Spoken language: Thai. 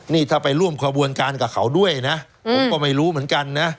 นี่ถ้าไปร่วมขบวนการกับเขาด้วยนะผมก็ไม่รู้เหมือนกันนะ